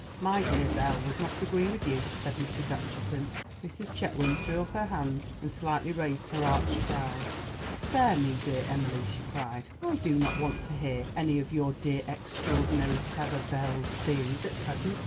"My dear Belle would not agree with you," said Mrs. Acheson. Mrs. Chetwynd threw up her hands and slightly raised her arched brows. "Spare me, dear Emily," she cried. "I do not want to hear any of your dear, extraordinary, clever Belle's theories at present.